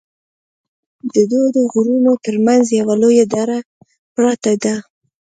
ددوو غرونو تر منځ یوه لویه دره پراته ده